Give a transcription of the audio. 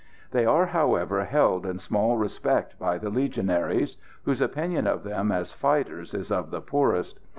They are, however, held in small respect by the Legionaries, whose opinion of them as fighters is of the poorest.